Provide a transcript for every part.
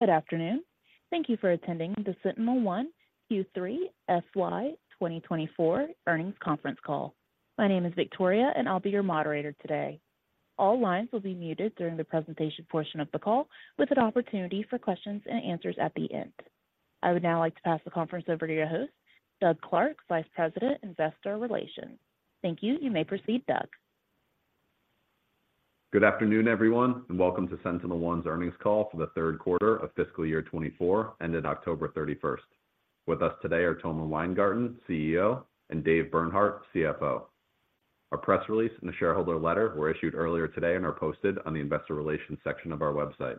Good afternoon. Thank you for attending the SentinelOne Q3 FY 2024 earnings conference call. My name is Victoria, and I'll be your moderator today. All lines will be muted during the presentation portion of the call, with an opportunity for questions and answers at the end. I would now like to pass the conference over to your host, Doug Clark, Vice President, Investor Relations. Thank you. You may proceed, Doug. Good afternoon, everyone, and welcome to SentinelOne's earnings call for the third quarter of fiscal year 2024, ended October thirty-first. With us today are Tomer Weingarten, CEO, and Dave Bernhardt, CFO. Our press release and the shareholder letter were issued earlier today and are posted on the investor relations section of our website.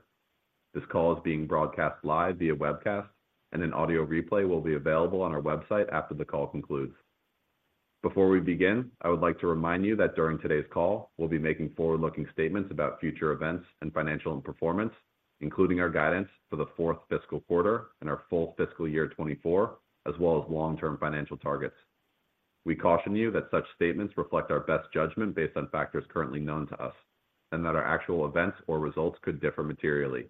This call is being broadcast live via webcast, and an audio replay will be available on our website after the call concludes. Before we begin, I would like to remind you that during today's call, we'll be making forward-looking statements about future events and financial and performance, including our guidance for the fourth fiscal quarter and our full fiscal year 2024, as well as long-term financial targets. We caution you that such statements reflect our best judgment based on factors currently known to us, and that our actual events or results could differ materially.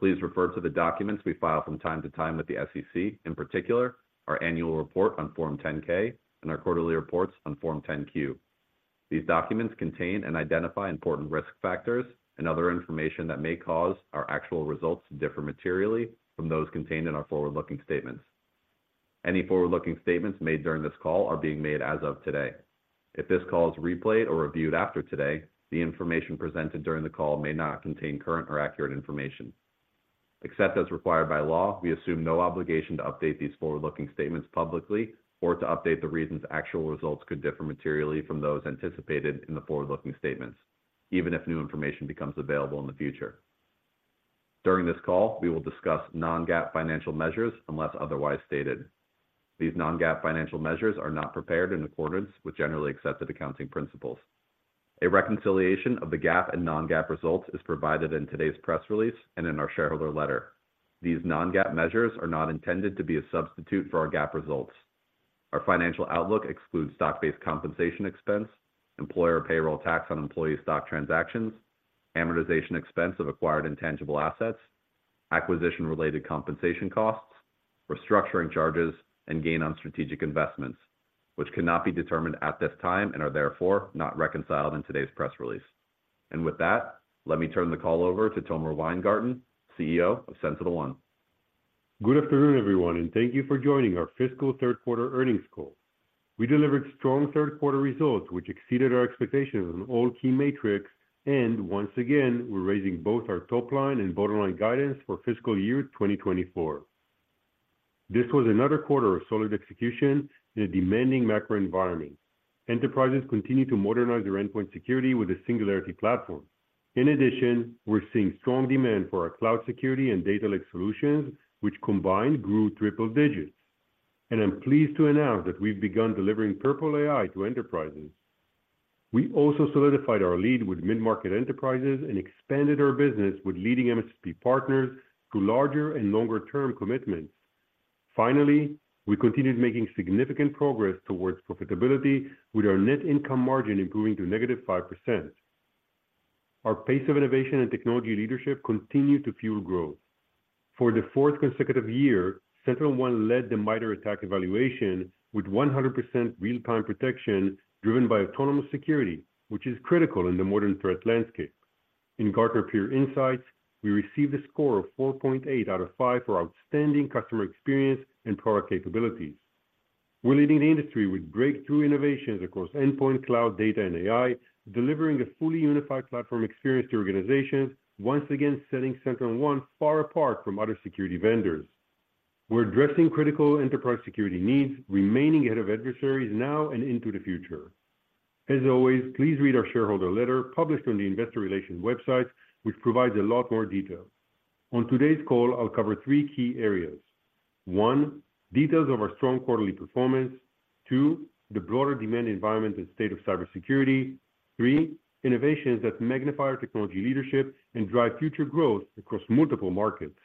Please refer to the documents we file from time to time with the SEC, in particular, our annual report on Form 10-K and our quarterly reports on Form 10-Q. These documents contain and identify important risk factors and other information that may cause our actual results to differ materially from those contained in our forward-looking statements. Any forward-looking statements made during this call are being made as of today. If this call is replayed or reviewed after today, the information presented during the call may not contain current or accurate information. Except as required by law, we assume no obligation to update these forward-looking statements publicly or to update the reasons actual results could differ materially from those anticipated in the forward-looking statements, even if new information becomes available in the future. During this call, we will discuss non-GAAP financial measures, unless otherwise stated. These non-GAAP financial measures are not prepared in accordance with generally accepted accounting principles. A reconciliation of the GAAP and non-GAAP results is provided in today's press release and in our shareholder letter. These non-GAAP measures are not intended to be a substitute for our GAAP results. Our financial outlook excludes stock-based compensation expense, employer payroll tax on employee stock transactions, amortization expense of acquired intangible assets, acquisition-related compensation costs, restructuring charges, and gain on strategic investments, which cannot be determined at this time and are therefore not reconciled in today's press release. With that, let me turn the call over to Tomer Weingarten, CEO of SentinelOne. Good afternoon, everyone, and thank you for joining our fiscal third quarter earnings call. We delivered strong third quarter results, which exceeded our expectations on all key metrics, and once again, we're raising both our top line and bottom line guidance for fiscal year 2024. This was another quarter of solid execution in a demanding macro environment. Enterprises continue to modernize their endpoint security with a Singularity Platform. In addition, we're seeing strong demand for our cloud security and data lake solutions, which combined grew triple digits. I'm pleased to announce that we've begun delivering Purple AI to enterprises. We also solidified our lead with mid-market enterprises and expanded our business with leading MSP partners through larger and longer-term commitments. Finally, we continued making significant progress towards profitability with our net income margin improving to negative 5%. Our pace of innovation and technology leadership continue to fuel growth. For the fourth consecutive year, SentinelOne led the MITRE ATT&CK evaluation with 100% real-time protection, driven by autonomous security, which is critical in the modern threat landscape. In Gartner Peer Insights, we received a score of 4.8 out of 5 for outstanding customer experience and product capabilities. We're leading the industry with breakthrough innovations across endpoint, cloud, data, and AI, delivering a fully unified platform experience to organizations, once again, setting SentinelOne far apart from other security vendors. We're addressing critical enterprise security needs, remaining ahead of adversaries now and into the future. As always, please read our shareholder letter published on the Investor Relations website, which provides a lot more detail. On today's call, I'll cover 3 key areas. 1, details of our strong quarterly performance. Two, the broader demand environment and state of cybersecurity. Three, innovations that magnify our technology leadership and drive future growth across multiple markets.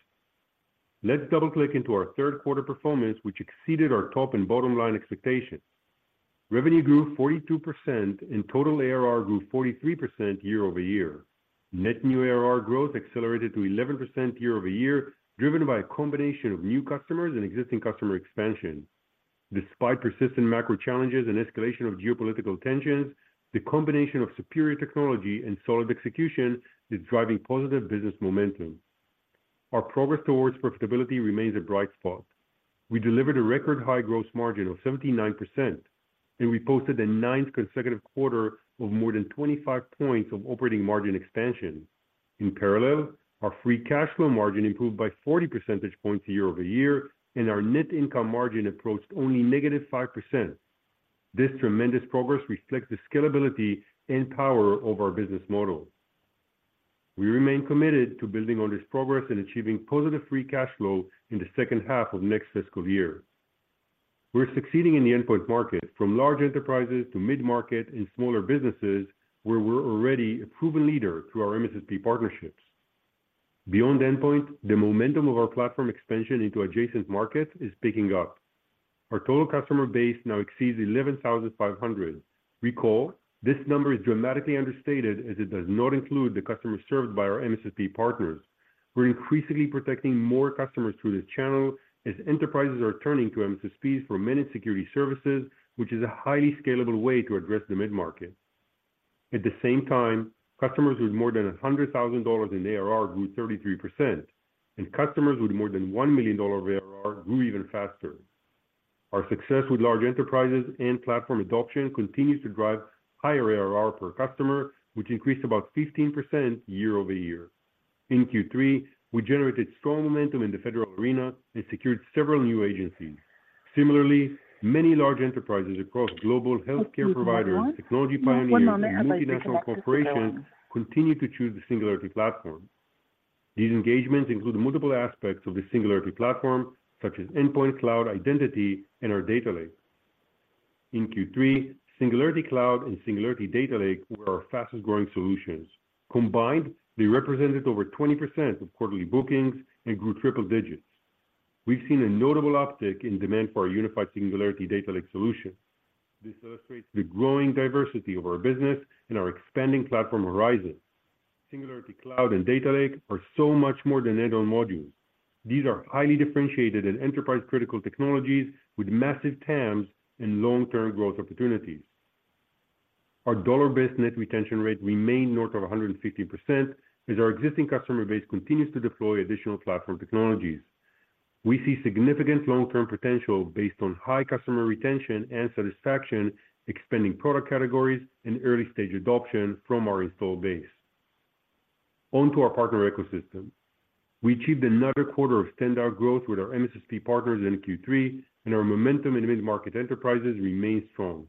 Let's double-click into our third quarter performance, which exceeded our top and bottom line expectations. Revenue grew 42% and total ARR grew 43% year-over-year. Net New ARR growth accelerated to 11% year-over-year, driven by a combination of new customers and existing customer expansion. Despite persistent macro challenges and escalation of geopolitical tensions, the combination of superior technology and solid execution is driving positive business momentum. Our progress towards profitability remains a bright spot. We delivered a record high gross margin of 79%, and we posted a ninth consecutive quarter of more than 25 points of operating margin expansion. In parallel, our free cash flow margin improved by 40 percentage points year-over-year, and our net income margin approached only -5%. This tremendous progress reflects the scalability and power of our business model. We remain committed to building on this progress and achieving positive free cash flow in the second half of next fiscal year. We're succeeding in the endpoint market, from large enterprises to mid-market and smaller businesses, where we're already a proven leader through our MSP partnerships. Beyond endpoint, the momentum of our platform expansion into adjacent markets is picking up. Our total customer base now exceeds 11,500. Recall, this number is dramatically understated as it does not include the customers served by our MSSP partners. We're increasingly protecting more customers through this channel as enterprises are turning to MSSPs for managed security services, which is a highly scalable way to address the mid-market. At the same time, customers with more than $100,000 in ARR grew 33%, and customers with more than $1 million of ARR grew even faster. Our success with large enterprises and platform adoption continues to drive higher ARR per customer, which increased about 15% year-over-year. In Q3, we generated strong momentum in the federal arena and secured several new agencies. Similarly, many large enterprises across global healthcare providers, technology pioneers, and multinational corporations continue to choose the Singularity Platform. These engagements include multiple aspects of the Singularity Platform, such as endpoint, cloud, identity, and our data lake. In Q3, Singularity Cloud and Singularity Data Lake were our fastest-growing solutions. Combined, they represented over 20% of quarterly bookings and grew triple digits. We've seen a notable uptick in demand for our unified Singularity Data Lake solution. This illustrates the growing diversity of our business and our expanding platform horizons. Singularity Cloud and Data Lake are so much more than add-on modules. These are highly differentiated and enterprise-critical technologies with massive TAMs and long-term growth opportunities. Our dollar-based net retention rate remained north of 150%, as our existing customer base continues to deploy additional platform technologies. We see significant long-term potential based on high customer retention and satisfaction, expanding product categories, and early-stage adoption from our installed base. On to our partner ecosystem. We achieved another quarter of standout growth with our MSSP partners in Q3, and our momentum in mid-market enterprises remains strong.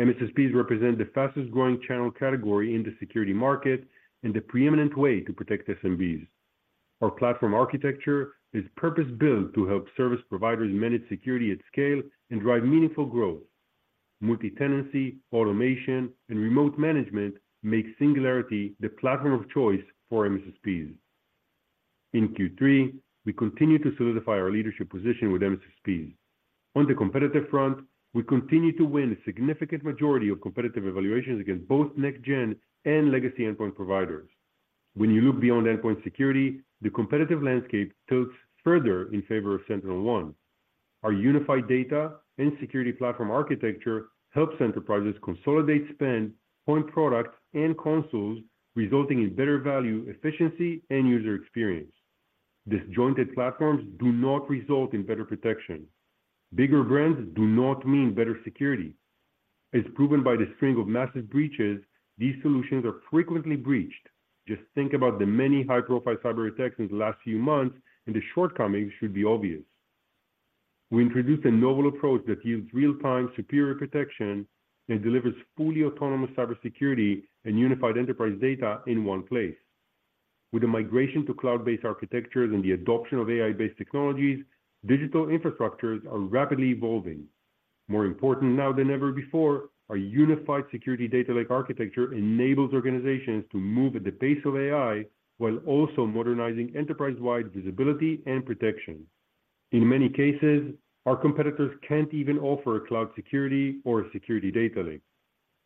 MSSPs represent the fastest-growing channel category in the security market and the preeminent way to protect SMBs. Our platform architecture is purpose-built to help service providers manage security at scale and drive meaningful growth. Multi-tenancy, automation, and remote management make Singularity the platform of choice for MSSPs. In Q3, we continued to solidify our leadership position with MSSPs. On the competitive front, we continue to win a significant majority of competitive evaluations against both next-gen and legacy endpoint providers. When you look beyond endpoint security, the competitive landscape tilts further in favor of SentinelOne. Our unified data and security platform architecture helps enterprises consolidate, spend point products and consoles, resulting in better value, efficiency, and user experience. Disjointed platforms do not result in better protection. Bigger brands do not mean better security. As proven by the string of massive breaches, these solutions are frequently breached. Just think about the many high-profile cyber attacks in the last few months, and the shortcomings should be obvious. We introduced a novel approach that yields real-time, superior protection and delivers fully autonomous cybersecurity and unified enterprise data in one place. With the migration to cloud-based architectures and the adoption of AI-based technologies, digital infrastructures are rapidly evolving. More important now than ever before, our unified security data lake architecture enables organizations to move at the pace of AI, while also modernizing enterprise-wide visibility and protection. In many cases, our competitors can't even offer a cloud security or a security data lake.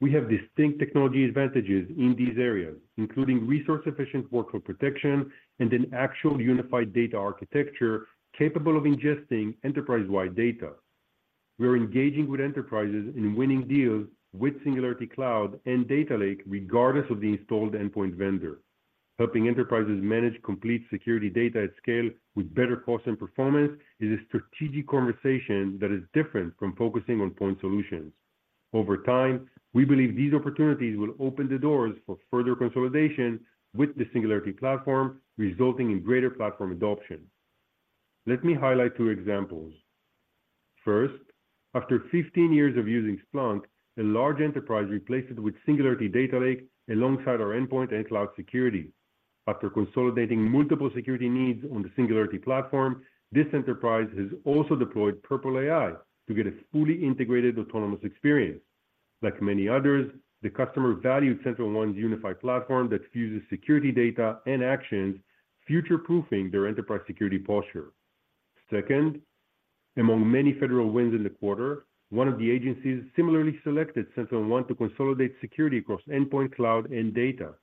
We have distinct technology advantages in these areas, including resource-efficient workload protection and an actual unified data architecture capable of ingesting enterprise-wide data. We are engaging with enterprises in winning deals with Singularity Cloud and Data Lake, regardless of the installed endpoint vendor. Helping enterprises manage complete security data at scale with better cost and performance is a strategic conversation that is different from focusing on point solutions. Over time, we believe these opportunities will open the doors for further consolidation with the Singularity platform, resulting in greater platform adoption. Let me highlight 2 examples. First, after 15 years of using Splunk, a large enterprise replaced it with Singularity Data Lake alongside our endpoint and cloud security. After consolidating multiple security needs on the Singularity platform, this enterprise has also deployed Purple AI to get a fully integrated, autonomous experience. Like many others, the customer valued SentinelOne's unified platform that fuses security data and actions, future-proofing their enterprise security posture. Second, among many federal wins in the quarter, one of the agencies similarly selected SentinelOne to consolidate security across endpoint, cloud, and data.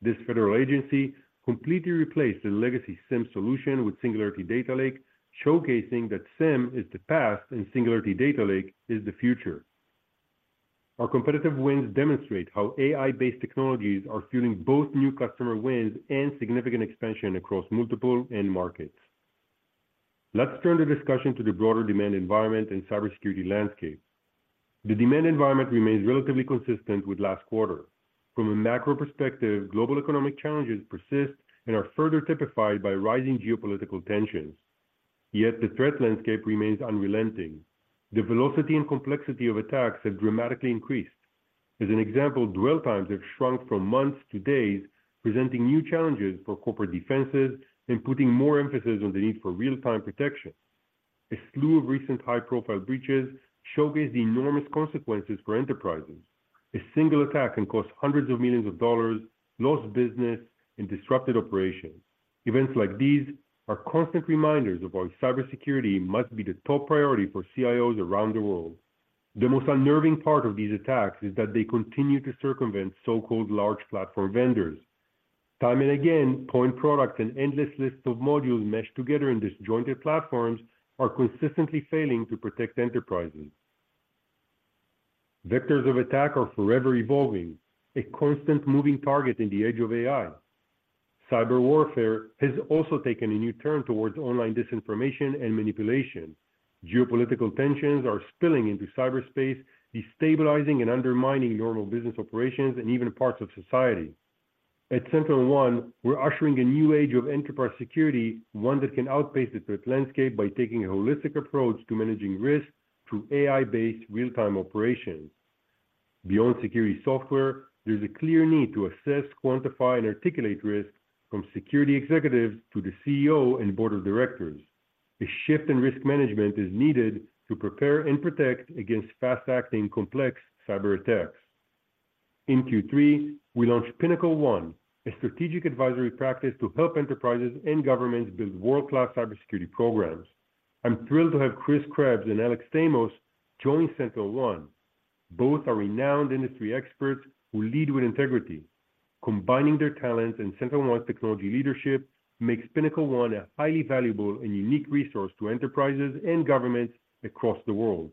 This federal agency completely replaced a legacy SIEM solution with Singularity Data Lake, showcasing that SIEM is the past and Singularity Data Lake is the future. Our competitive wins demonstrate how AI-based technologies are fueling both new customer wins and significant expansion across multiple end markets. Let's turn the discussion to the broader demand environment and cybersecurity landscape. The demand environment remains relatively consistent with last quarter. From a macro perspective, global economic challenges persist and are further typified by rising geopolitical tensions, yet the threat landscape remains unrelenting. The velocity and complexity of attacks have dramatically increased. As an example, dwell times have shrunk from months to days, presenting new challenges for corporate defenses and putting more emphasis on the need for real-time protection. A slew of recent high-profile breaches showcase the enormous consequences for enterprises. A single attack can cost $hundreds of millions, lost business, and disrupted operations. Events like these are constant reminders of why cybersecurity must be the top priority for CIOs around the world. The most unnerving part of these attacks is that they continue to circumvent so-called large platform vendors. Time and again, point products and endless lists of modules meshed together in disjointed platforms are consistently failing to protect enterprises. Vectors of attack are forever evolving, a constant moving target in the age of AI. Cyber warfare has also taken a new turn towards online disinformation and manipulation. Geopolitical tensions are spilling into cyberspace, destabilizing and undermining normal business operations and even parts of society. At SentinelOne, we're ushering a new age of enterprise security, one that can outpace the threat landscape by taking a holistic approach to managing risk through AI-based real-time operations. Beyond security software, there's a clear need to assess, quantify, and articulate risk from security executives to the CEO and board of directors. A shift in risk management is needed to prepare and protect against fast-acting, complex cyber attacks. In Q3, we launched PinnacleOne, a strategic advisory practice to help enterprises and governments build world-class cybersecurity programs. I'm thrilled to have Chris Krebs and Alex Stamos join SentinelOne. Both are renowned industry experts who lead with integrity. Combining their talents and SentinelOne's technology leadership makes PinnacleOne a highly valuable and unique resource to enterprises and governments across the world.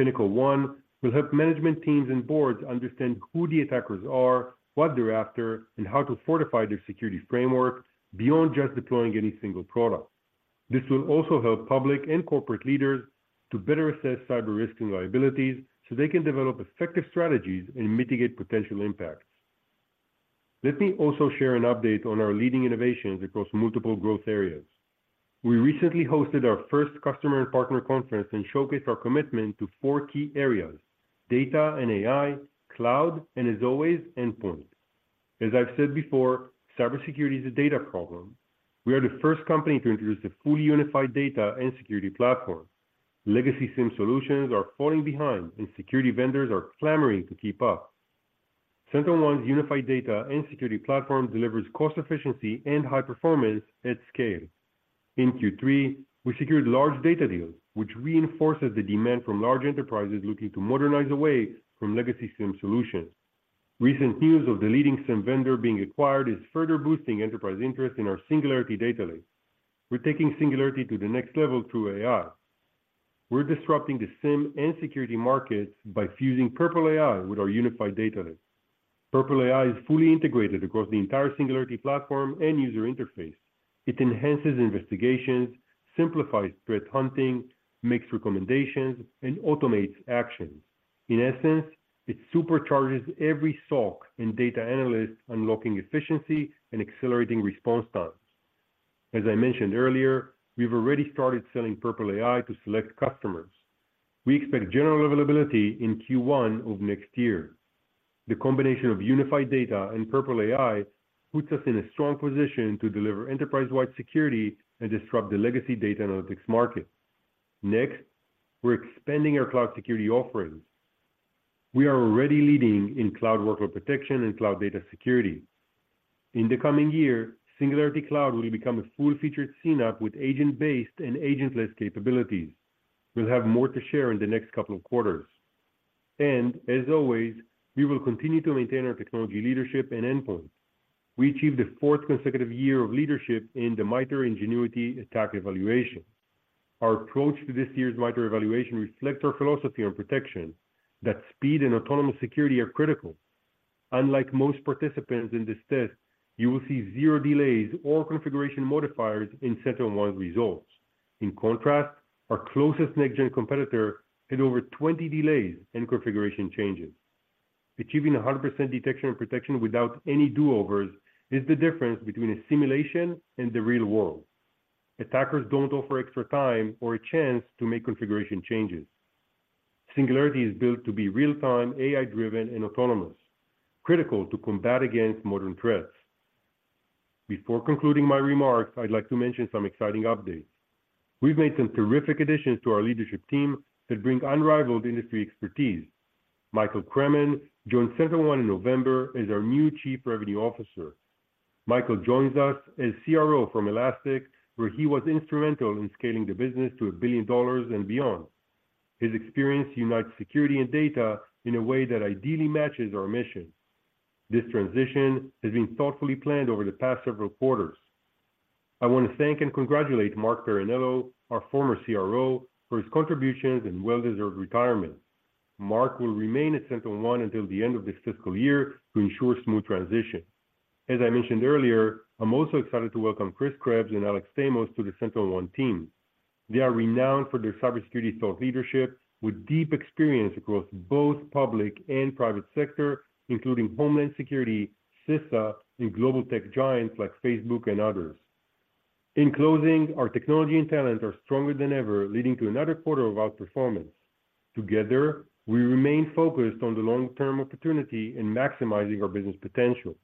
PinnacleOne will help management teams and boards understand who the attackers are, what they're after, and how to fortify their security framework beyond just deploying any single product. This will also help public and corporate leaders to better assess cyber risks and liabilities, so they can develop effective strategies and mitigate potential impacts. Let me also share an update on our leading innovations across multiple growth areas. We recently hosted our first customer and partner conference and showcased our commitment to four key areas: data and AI, cloud, and as always, endpoint. As I've said before, cybersecurity is a data problem. We are the first company to introduce a fully unified data and security platform. Legacy SIEM solutions are falling behind, and security vendors are clamoring to keep up. SentinelOne's unified data and security platform delivers cost efficiency and high performance at scale. In Q3, we secured large data deals, which reinforces the demand from large enterprises looking to modernize away from legacy SIEM solutions. Recent news of the leading SIEM vendor being acquired is further boosting enterprise interest in our Singularity Data Lake. We're taking Singularity to the next level through AI. We're disrupting the SIEM and security markets by fusing Purple AI with our unified data lake. Purple AI is fully integrated across the entire Singularity Platform and user interface. It enhances investigations, simplifies threat hunting, makes recommendations, and automates actions. In essence, it supercharges every SOC and data analyst, unlocking efficiency and accelerating response times. As I mentioned earlier, we've already started selling Purple AI to select customers. We expect general availability in Q1 of next year. The combination of unified data and Purple AI puts us in a strong position to deliver enterprise-wide security and disrupt the legacy data analytics market. Next, we're expanding our cloud security offerings. We are already leading in cloud workload protection and cloud data security. In the coming year, Singularity Cloud will become a full-featured CNAPP with agent-based and agentless capabilities. We'll have more to share in the next couple of quarters. As always, we will continue to maintain our technology, leadership, and endpoint. We achieved the fourth consecutive year of leadership in the MITRE Engenuity ATT&CK Evaluation. Our approach to this year's MITRE evaluation reflects our philosophy on protection, that speed and autonomous security are critical. Unlike most participants in this test, you will see zero delays or configuration modifiers in SentinelOne's results. In contrast, our closest next-gen competitor had over 20 delays and configuration changes. Achieving 100% detection and protection without any do-overs is the difference between a simulation and the real world. Attackers don't offer extra time or a chance to make configuration changes. Singularity is built to be real-time, AI-driven, and autonomous, critical to combat against modern threats. Before concluding my remarks, I'd like to mention some exciting updates. We've made some terrific additions to our leadership team that bring unrivaled industry expertise. Michael Cremen joined SentinelOne in November as our new Chief Revenue Officer. Michael joins us as CRO from Elastic, where he was instrumental in scaling the business to $1 billion and beyond. His experience unites security and data in a way that ideally matches our mission. This transition has been thoughtfully planned over the past several quarters. I want to thank and congratulate Mark Parrinello, our former CRO, for his contributions and well-deserved retirement. Mark will remain at SentinelOne until the end of this fiscal year to ensure a smooth transition. As I mentioned earlier, I'm also excited to welcome Chris Krebs and Alex Stamos to the SentinelOne team. They are renowned for their cybersecurity thought leadership, with deep experience across both public and private sector, including Homeland Security, CISA, and global tech giants like Facebook and others. In closing, our technology and talent are stronger than ever, leading to another quarter of outperformance. Together, we remain focused on the long-term opportunity in maximizing our business potential.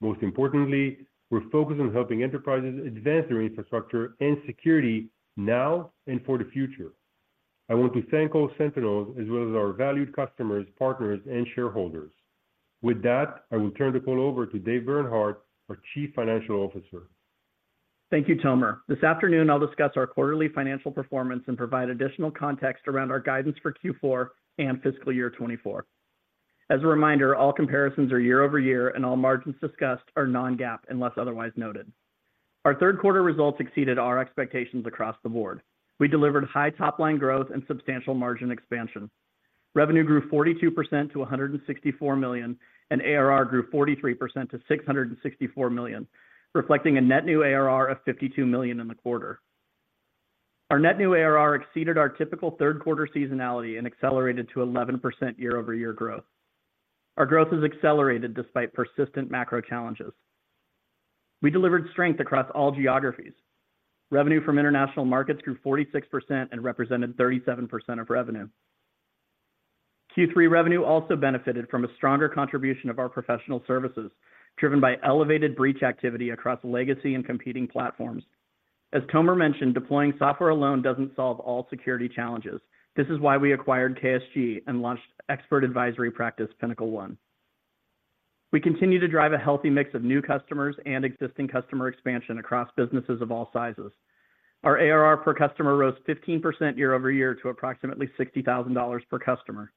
Most importantly, we're focused on helping enterprises advance their infrastructure and security now and for the future.... I want to thank all Sentinels, as well as our valued customers, partners, and shareholders. With that, I will turn the call over to Dave Bernhardt, our Chief Financial Officer. Thank you, Tomer. This afternoon, I'll discuss our quarterly financial performance and provide additional context around our guidance for Q4 and fiscal year 2024. As a reminder, all comparisons are year-over-year, and all margins discussed are non-GAAP, unless otherwise noted. Our third quarter results exceeded our expectations across the board. We delivered high top-line growth and substantial margin expansion. Revenue grew 42% to $164 million, and ARR grew 43% to $664 million, reflecting a net new ARR of $52 million in the quarter. Our net new ARR exceeded our typical third quarter seasonality and accelerated to 11% year-over-year growth. Our growth has accelerated despite persistent macro challenges. We delivered strength across all geographies. Revenue from international markets grew 46% and represented 37% of revenue. Q3 revenue also benefited from a stronger contribution of our professional services, driven by elevated breach activity across legacy and competing platforms. As Tomer mentioned, deploying software alone doesn't solve all security challenges. This is why we acquired KSG and launched expert advisory practice, PinnacleOne. We continue to drive a healthy mix of new customers and existing customer expansion across businesses of all sizes. Our ARR per customer rose 15% year-over-year to approximately $60,000 per customer.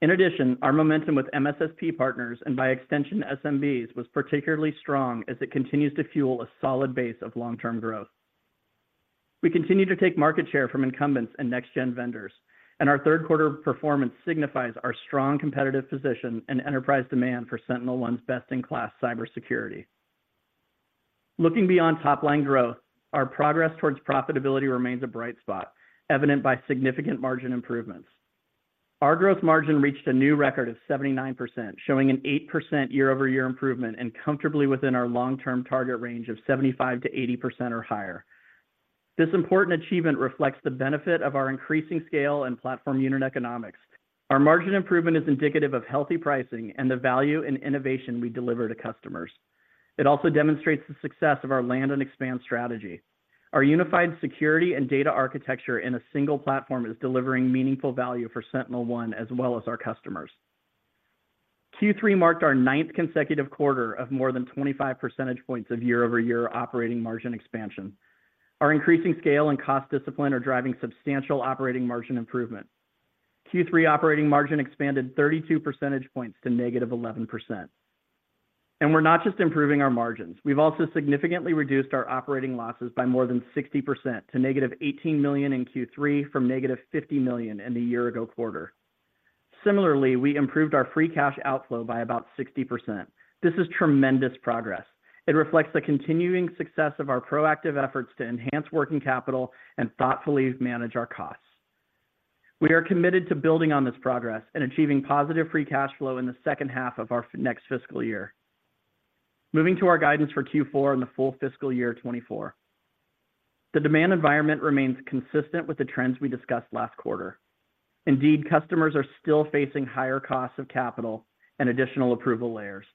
In addition, our momentum with MSSP partners, and by extension, SMBs, was particularly strong as it continues to fuel a solid base of long-term growth. We continue to take market share from incumbents and next-gen vendors, and our third quarter performance signifies our strong competitive position and enterprise demand for SentinelOne's best-in-class cybersecurity. Looking beyond top-line growth, our progress towards profitability remains a bright spot, evident by significant margin improvements. Our gross margin reached a new record of 79%, showing an 8% year-over-year improvement, and comfortably within our long-term target range of 75%-80% or higher. This important achievement reflects the benefit of our increasing scale and platform unit economics. Our margin improvement is indicative of healthy pricing and the value and innovation we deliver to customers. It also demonstrates the success of our land and expand strategy. Our unified security and data architecture in a single platform is delivering meaningful value for SentinelOne as well as our customers. Q3 marked our ninth consecutive quarter of more than 25 percentage points of year-over-year operating margin expansion. Our increasing scale and cost discipline are driving substantial operating margin improvement. Q3 operating margin expanded 32 percentage points to -11%. We're not just improving our margins. We've also significantly reduced our operating losses by more than 60% to negative $18 million in Q3 from negative $50 million in the year ago quarter. Similarly, we improved our free cash outflow by about 60%. This is tremendous progress. It reflects the continuing success of our proactive efforts to enhance working capital and thoughtfully manage our costs. We are committed to building on this progress and achieving positive free cash flow in the second half of our next fiscal year. Moving to our guidance for Q4 and the full fiscal year 2024. The demand environment remains consistent with the trends we discussed last quarter. Indeed, customers are still facing higher costs of capital and additional approval layers.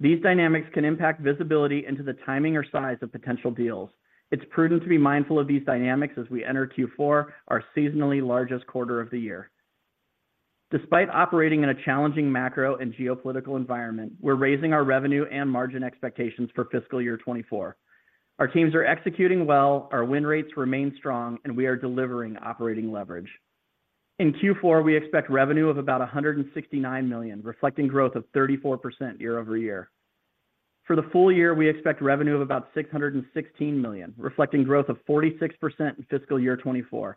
These dynamics can impact visibility into the timing or size of potential deals. It's prudent to be mindful of these dynamics as we enter Q4, our seasonally largest quarter of the year. Despite operating in a challenging macro and geopolitical environment, we're raising our revenue and margin expectations for fiscal year 2024. Our teams are executing well, our win rates remain strong, and we are delivering operating leverage. In Q4, we expect revenue of about $169 million, reflecting growth of 34% year-over-year. For the full year, we expect revenue of about $616 million, reflecting growth of 46% in fiscal year 2024.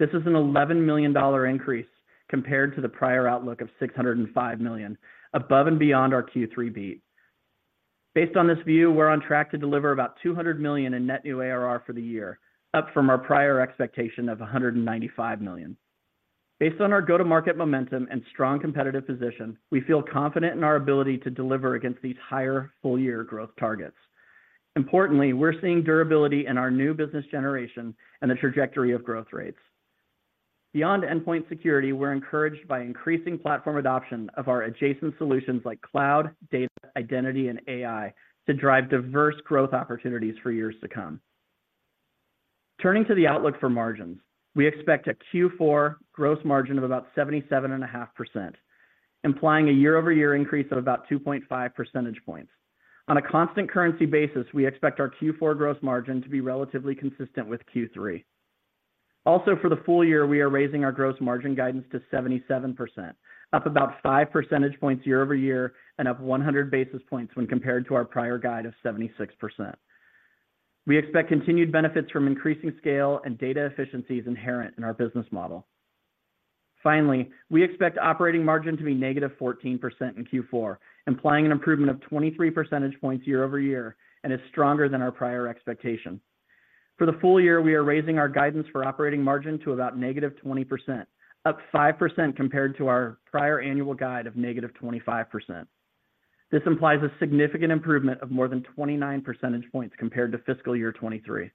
This is an $11 million increase compared to the prior outlook of $605 million, above and beyond our Q3 beat. Based on this view, we're on track to deliver about $200 million in net new ARR for the year, up from our prior expectation of $195 million. Based on our go-to-market momentum and strong competitive position, we feel confident in our ability to deliver against these higher full-year growth targets. Importantly, we're seeing durability in our new business generation and the trajectory of growth rates. Beyond endpoint security, we're encouraged by increasing platform adoption of our adjacent solutions like cloud, data, identity, and AI, to drive diverse growth opportunities for years to come. Turning to the outlook for margins, we expect a Q4 gross margin of about 77.5%, implying a year-over-year increase of about 2.5 percentage points. On a constant currency basis, we expect our Q4 gross margin to be relatively consistent with Q3. Also, for the full year, we are raising our gross margin guidance to 77%, up about 5 percentage points year-over-year, and up 100 basis points when compared to our prior guide of 76%. We expect continued benefits from increasing scale and data efficiencies inherent in our business model. Finally, we expect operating margin to be -14% in Q4, implying an improvement of 23 percentage points year-over-year, and is stronger than our prior expectation. For the full year, we are raising our guidance for operating margin to about -20%, up 5% compared to our prior annual guide of -25%. This implies a significant improvement of more than 29 percentage points compared to fiscal year 2023.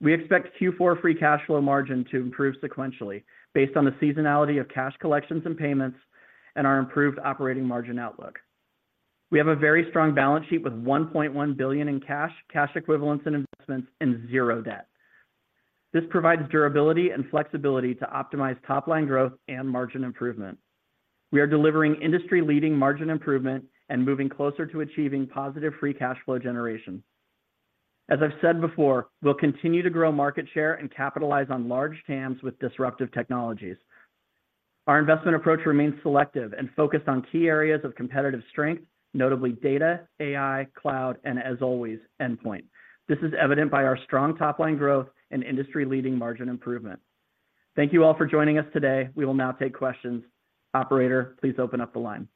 We expect Q4 free cash flow margin to improve sequentially based on the seasonality of cash collections and payments and our improved operating margin outlook. We have a very strong balance sheet with $1.1 billion in cash, cash equivalents, and investments, and 0 debt. This provides durability and flexibility to optimize top line growth and margin improvement. We are delivering industry-leading margin improvement and moving closer to achieving positive free cash flow generation. As I've said before, we'll continue to grow market share and capitalize on large TAMs with disruptive technologies. Our investment approach remains selective and focused on key areas of competitive strength, notably data, AI, cloud, and as always, endpoint. This is evident by our strong top line growth and industry-leading margin improvement. Thank you all for joining us today. We will now take questions. Operator, please open up the line.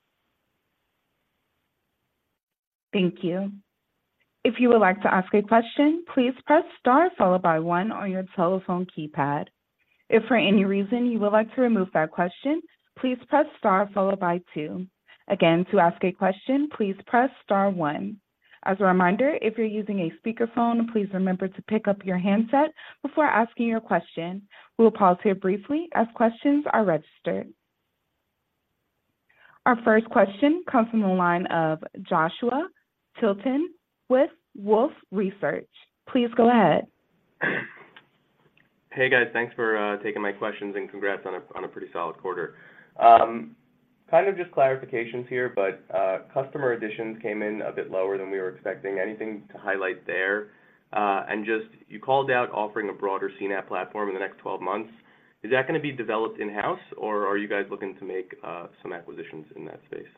Thank you. If you would like to ask a question, please press star followed by one on your telephone keypad. If for any reason you would like to remove that question, please press star followed by two. Again, to ask a question, please press star one. As a reminder, if you're using a speakerphone, please remember to pick up your handset before asking your question. We will pause here briefly as questions are registered. Our first question comes from the line of Joshua Tilton with Wolfe Research. Please go ahead. Hey, guys. Thanks for taking my questions, and congrats on a pretty solid quarter. Kind of just clarifications here, but customer additions came in a bit lower than we were expecting. Anything to highlight there? And just, you called out offering a broader CNAPP platform in the next twelve months. Is that gonna be developed in-house, or are you guys looking to make some acquisitions in that space?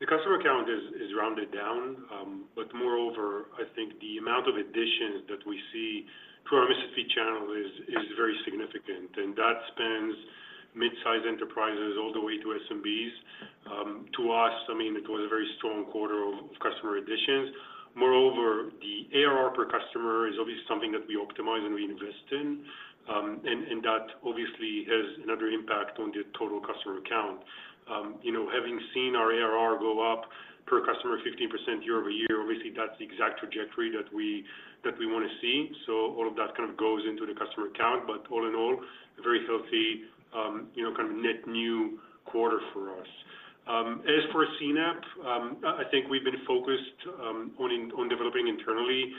The customer count is rounded down, but moreover, I think the amount of additions that we see through our MSP channel is very significant, and that spans mid-size enterprises all the way to SMBs. To us, I mean, it was a very strong quarter of customer additions. Moreover, the ARR per customer is obviously something that we optimize and we invest in, and that obviously has another impact on the total customer count. You know, having seen our ARR go up per customer 15% year over year, obviously, that's the exact trajectory that we wanna see. So all of that kind of goes into the customer count, but all in all, a very healthy, you know, kind of net new quarter for us. As for CNAPP, I think we've been focused on developing internally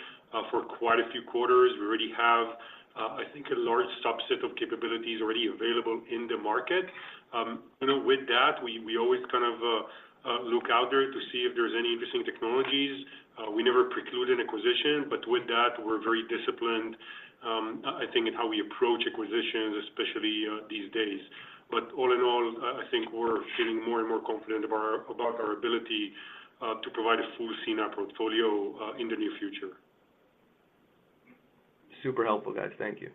for quite a few quarters. We already have, I think, a large subset of capabilities already available in the market. You know, with that, we always kind of look out there to see if there's any interesting technologies. We never preclude an acquisition, but with that, we're very disciplined, I think, in how we approach acquisitions, especially these days. But all in all, I think we're feeling more and more confident about our ability to provide a full CNAPP portfolio in the near future. Super helpful, guys. Thank you.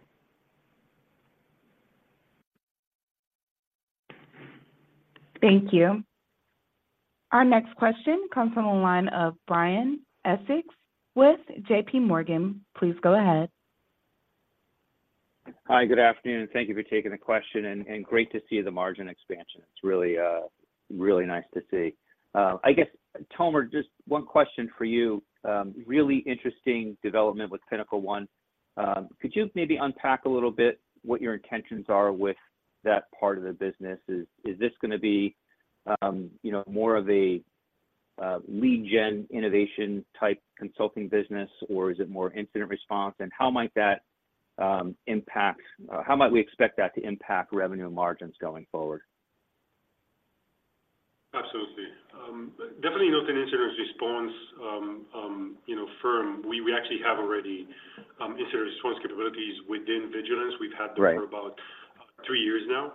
Thank you. Our next question comes from the line of Brian Essex with J.P. Morgan. Please go ahead. Hi, good afternoon, and thank you for taking the question, and great to see the margin expansion. It's really, really nice to see. I guess, Tomer, just one question for you. Really interesting development with PinnacleOne. Could you maybe unpack a little bit what your intentions are with that part of the business? Is this gonna be, you know, more of a lead gen innovation type consulting business, or is it more incident response? And how might that impact, how might we expect that to impact revenue and margins going forward? Absolutely. Definitely not an incident response, you know, firm. We actually have already incident response capabilities within Vigilance. Right. We've had them for about three years now.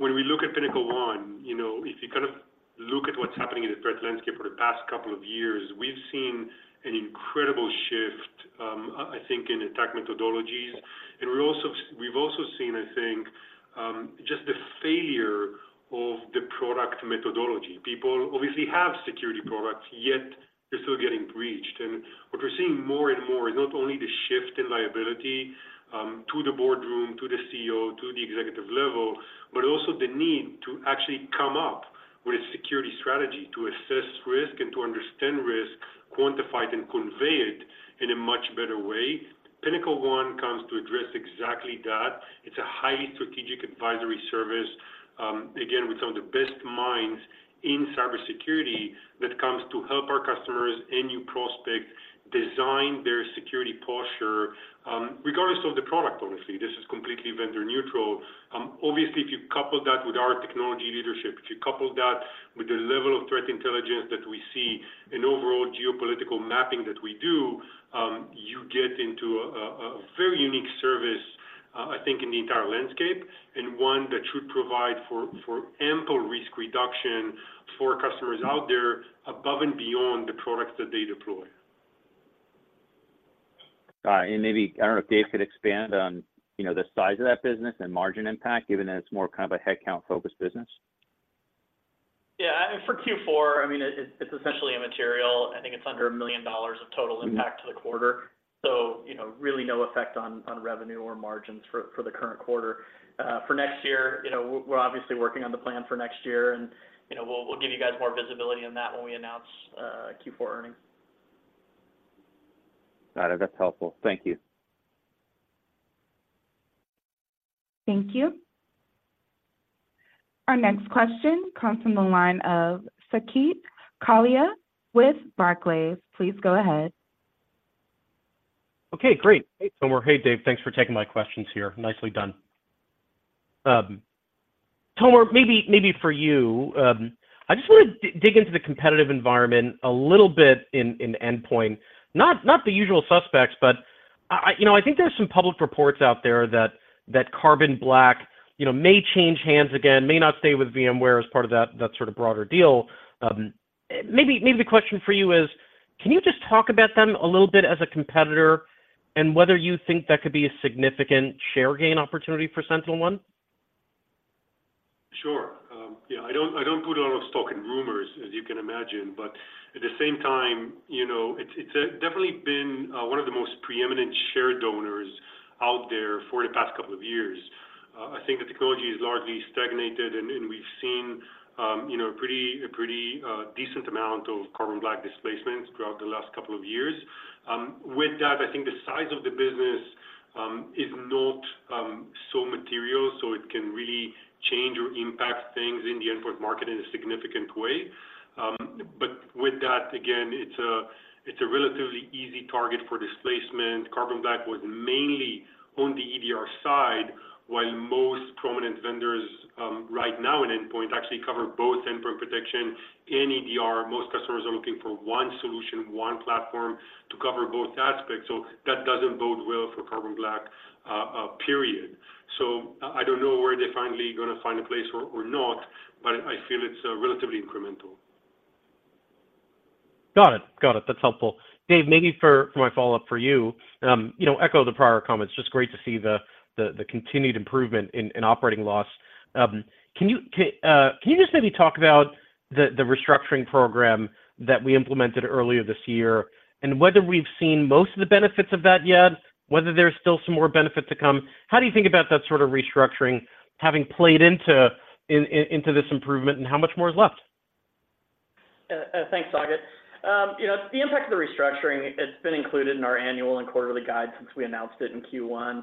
When we look at PinnacleOne, you know, if you kind of look at what's happening in the threat landscape for the past couple of years, we've seen an incredible shift, I think, in attack methodologies. We've also seen, I think, just the failure of the product methodology. People obviously have security products, yet they're still getting breached. What we're seeing more and more is not only the shift in liability to the boardroom, to the CEO, to the executive level, but also the need to actually come up with a security strategy to assess risk and to understand risk, quantify it, and convey it in a much better way. PinnacleOne comes to address exactly that. It's a highly strategic advisory service, again, with some of the best minds in cybersecurity, that comes to help our customers and new prospects design their security posture, regardless of the product, obviously. This is completely vendor neutral. Obviously, if you couple that with our technology leadership, if you couple that with the level of threat intelligence that we see and overall geopolitical mapping that we do, you get into a very unique service, I think, in the entire landscape, and one that should provide for ample risk reduction for customers out there above and beyond the products that they deploy. And maybe, I don't know, if Dave could expand on, you know, the size of that business and margin impact, given that it's more kind of a headcount-focused business? Yeah. I mean, for Q4, I mean, it's essentially immaterial. I think it's under $1 million of total impact- Mm-hmm... to the quarter. So, you know, really no effect on revenue or margins for the current quarter. For next year, you know, we're obviously working on the plan for next year, and, you know, we'll give you guys more visibility on that when we announce Q4 earnings. Got it. That's helpful. Thank you. Thank you. Our next question comes from the line of Saket Kalia with Barclays. Please go ahead. Okay, great. Hey, Tomer. Hey, Dave, thanks for taking my questions here. Nicely done. Tomer, maybe, maybe for you, I just want to dig into the competitive environment a little bit in, in Endpoint, not, not the usual suspects, but I, I, you know, I think there's some public reports out there that, that Carbon Black, you know, may change hands again, may not stay with VMware as part of that, that sort of broader deal. Maybe, maybe the question for you is: can you just talk about them a little bit as a competitor and whether you think that could be a significant share gain opportunity for SentinelOne? Sure. Yeah, I don't put a lot of stock in rumors, as you can imagine, but at the same time, you know, it's definitely been one of the most preeminent share donors out there for the past couple of years. I think the technology has largely stagnated, and we've seen, you know, a pretty decent amount of Carbon Black displacements throughout the last couple of years. With that, I think the size of the business is not so material, so it can really change or impact things in the endpoint market in a significant way. But with that, again, it's a relatively easy target for displacement. Carbon Black was mainly on the EDR side, while most prominent vendors right now in endpoint actually cover both endpoint protection and EDR. Most customers are looking for one solution, one platform to cover both aspects, so that doesn't bode well for Carbon Black. So I don't know where they're finally going to find a place or not, but I feel it's relatively incremental. Got it. Got it. That's helpful. Dave, maybe for my follow-up for you, you know, echo the prior comments, just great to see the continued improvement in operating loss. Can you just maybe talk about the restructuring program that we implemented earlier this year, and whether we've seen most of the benefits of that yet, whether there's still some more benefit to come? How do you think about that sort of restructuring having played into this improvement, and how much more is left? Thanks, Saket. You know, the impact of the restructuring, it's been included in our annual and quarterly guide since we announced it in Q1.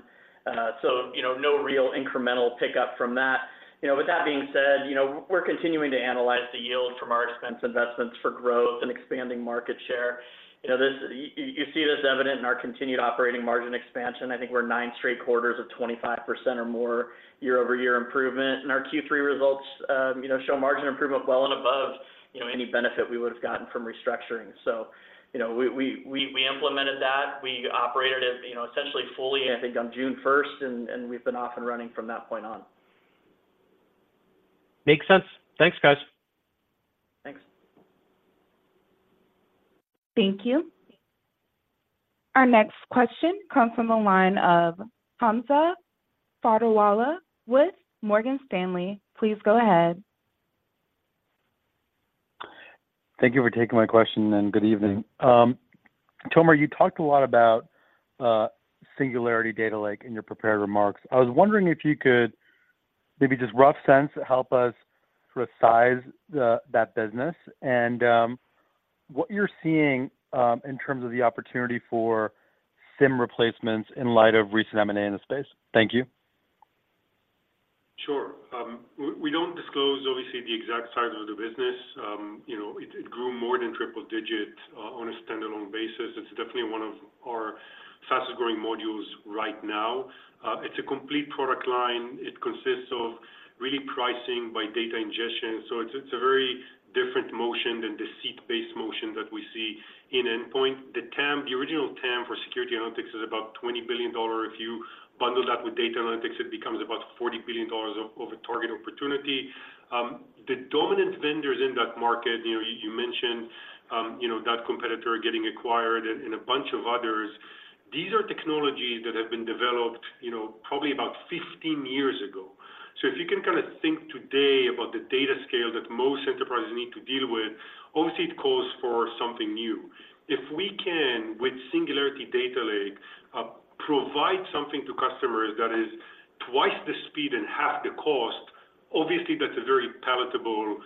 So, you know, no real incremental pickup from that. You know, with that being said, you know, we're continuing to analyze the yield from our expense investments for growth and expanding market share. You know, you see this evident in our continued operating margin expansion. I think we're nine straight quarters of 25% or more year-over-year improvement, and our Q3 results, you know, show margin improvement well and above, you know, any benefit we would have gotten from restructuring. So, you know, we implemented that. We operated it, you know, essentially fully, I think, on June first, and we've been off and running from that point on. Makes sense. Thanks, guys. Thanks. Thank you. Our next question comes from the line of Hamza Fodderwala with Morgan Stanley. Please go ahead. Thank you for taking my question, and good evening. Tomer, you talked a lot about Singularity Data Lake in your prepared remarks. I was wondering if you could maybe just rough sense, help us sort of size the, that business and what you're seeing in terms of the opportunity for SIEM replacements in light of recent M&A in the space. Thank you. Sure. We don't disclose, obviously, the exact size of the business. You know, it grew more than triple-digit on a standalone basis. It's definitely one of our fastest-growing modules right now. It's a complete product line. It consists of really pricing by data ingestion, so it's a very different motion than the seat-based motion that we see in Endpoint. The TAM, the original TAM for security analytics is about $20 billion. If you bundle that with data analytics, it becomes about $40 billion of a target opportunity. The dominant vendors in that market, you know, you mentioned, you know, that competitor getting acquired and a bunch of others. These are technologies that have been developed, you know, probably about 15 years ago. So if you can kind of think today about the data scale that most enterprises need to deal with, obviously, it calls for something new. If we can, with Singularity Data Lake, provide something to customers that is twice the speed and half the cost, obviously, that's a very palatable,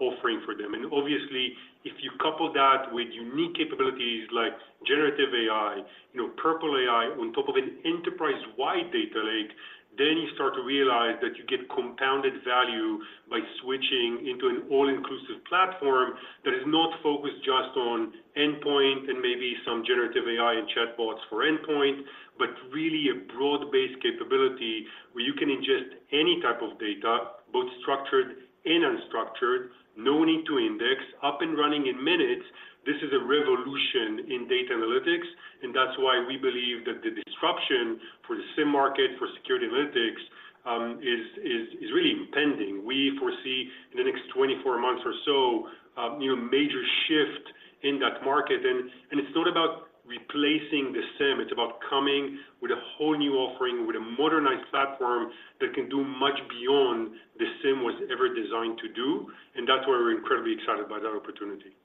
offering for them. And obviously, if you couple that with unique capabilities like generative AI, you know, Purple AI, on top of an enterprise-wide data lake, then you start to realize that you get compounded value by switching into an all-inclusive platform that is not focused just on endpoint and maybe some generative AI and chatbots for endpoint, but really a broad-based capability where you can ingest any type of data, both structured and unstructured, no need to index, up and running in minutes. This is a revolution in data analytics, and that's why we believe that the disruption for the SIEM market, for security analytics, is really impending. We foresee in the next 24 months or so, you know, a major shift in that market. And it's not about replacing the SIEM, it's about coming with a whole new offering, with a modernized platform that can do much beyond the SIEM was ever designed to do, and that's why we're incredibly excited by that opportunity.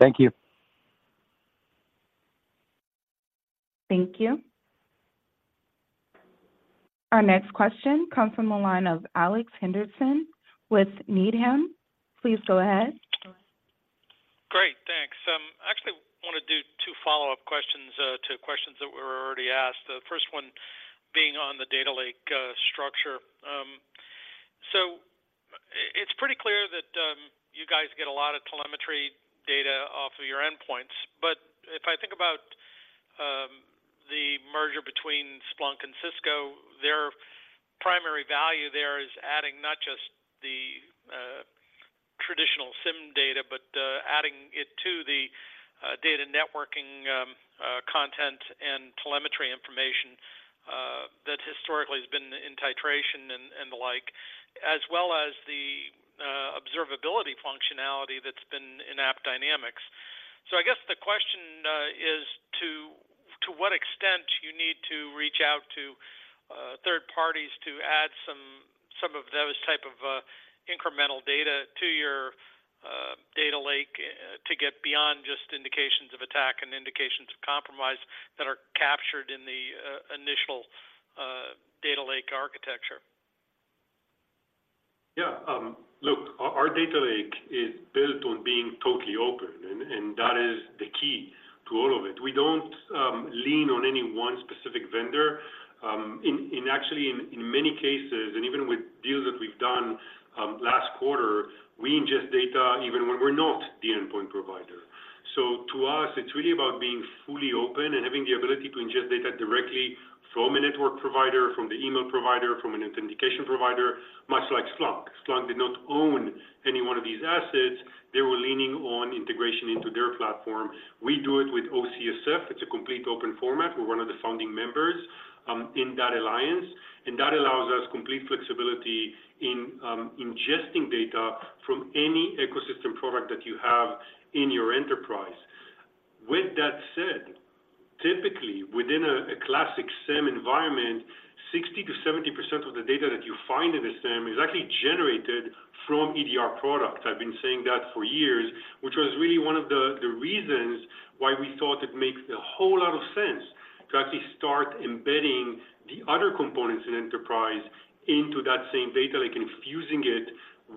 Thank you. Thank you. Our next question comes from the line of Alex Henderson with Needham. Please go ahead. I want to do two follow-up questions to questions that were already asked. The first one being on the data lake structure. So it's pretty clear that you guys get a lot of telemetry data off of your endpoints. But if I think about the merger between Splunk and Cisco, their primary value there is adding not just the traditional SIEM data, but adding it to the data networking content and telemetry information that historically has been in Tetration and the like, as well as the observability functionality that's been in AppDynamics. So I guess the question is to what extent you need to reach out to third parties to add some of those type of incremental data to your data lake to get beyond just indications of attack and indications of compromise that are captured in the initial data lake architecture? Yeah, look, our data lake is built on being totally open, and that is the key to all of it. We don't lean on any one specific vendor. Actually, in many cases, and even with deals that we've done last quarter, we ingest data even when we're not the endpoint provider. So to us, it's really about being fully open and having the ability to ingest data directly from a network provider, from the email provider, from an authentication provider, much like Splunk. Splunk did not own any one of these assets. They were leaning on integration into their platform. We do it with OCSF. It's a complete open format. We're one of the founding members in that alliance, and that allows us complete flexibility in ingesting data from any ecosystem product that you have in your enterprise. With that said, typically, within a classic SIEM environment, 60%-70% of the data that you find in a SIEM is actually generated from EDR products. I've been saying that for years, which was really one of the reasons why we thought it makes a whole lot of sense to actually start embedding the other components in enterprise into that same data lake and fusing it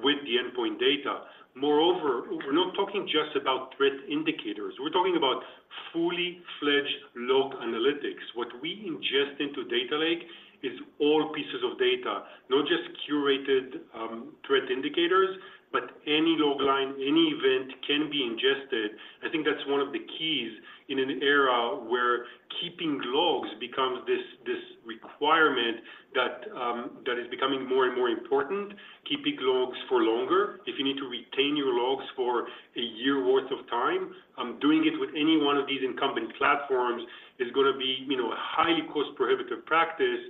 with the endpoint data. Moreover, we're not talking just about threat indicators. We're talking about fully-fledged log analytics. What we ingest into data lake is all pieces of data, not just curated threat indicators, but any log line, any event can be ingested. I think that's one of the keys in an era where keeping logs becomes this requirement that is becoming more and more important, keeping logs for longer. If you need to retain your logs for a year worth of time, doing it with any one of these incumbent platforms is going to be, you know, a highly cost prohibitive practice.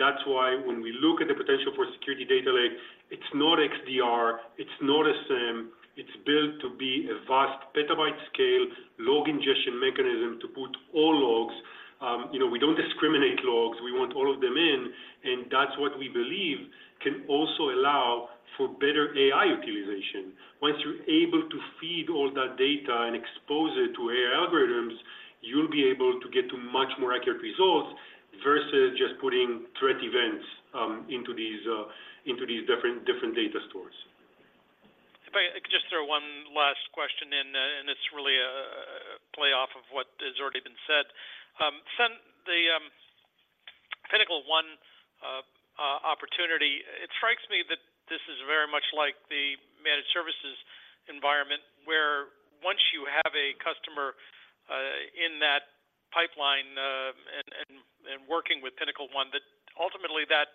That's why when we look at the potential for security data lake, it's not XDR, it's not a SIEM, it's built to be a vast petabyte scale, log ingestion mechanism to put all logs. You know, we don't discriminate logs. We want all of them in, and that's what we believe can also allow for better AI utilization. Once you're able to feed all that data and expose it to AI algorithms, you'll be able to get to much more accurate results versus just putting threat events into these different data stores. If I could just throw one last question in, and it's really a play off of what has already been said. So the PinnacleOne opportunity, it strikes me that this is very much like the managed services environment, where once you have a customer in that pipeline, and working with PinnacleOne, that ultimately that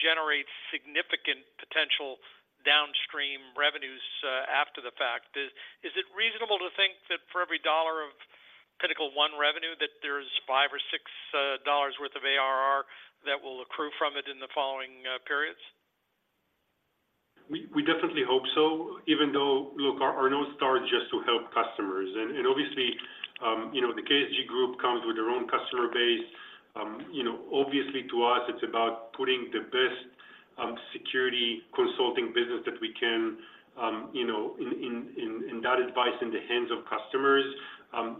generates significant potential downstream revenues after the fact. Is it reasonable to think that for every $1 of PinnacleOne revenue, that there's $5 or $6 worth of ARR that will accrue from it in the following periods? We definitely hope so, even though, look, our North Star is just to help customers. And obviously, you know, the KSG Group comes with their own customer base. You know, obviously to us, it's about putting the best security consulting business that we can, you know, in that advice in the hands of customers.